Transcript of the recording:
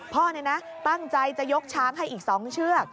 พ่อตั้งใจจะยกช้างให้อีก๒เชือก